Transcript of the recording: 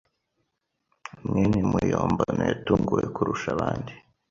mwene muyombano yatunguwe kurusha abandi.